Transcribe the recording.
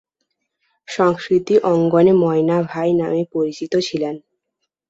সংস্কৃতি অঙ্গনে ময়না ভাই নামে পরিচিত ছিলেন।